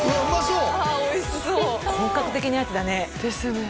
うわおいしそう本格的なやつだねですね